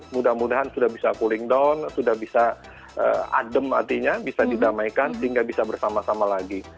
mudah mudahan sudah bisa cooling down sudah bisa adem artinya bisa didamaikan sehingga bisa bersama sama lagi